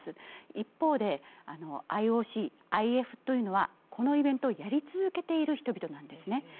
一方でＩＯＣ、ＩＦというのはこのイベントをやり続けている人々なんですね。